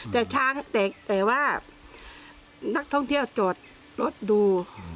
แต่ช้างแตกแต่ว่านักท่องเที่ยวจอดรถดู